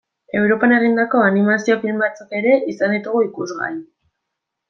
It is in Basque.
Europan egindako animazio film batzuk ere izan ditugu ikusgai.